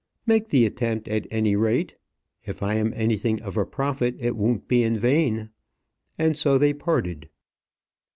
"Make the attempt, at any rate. If I am anything of a prophet, it won't be in vain;" and so they parted.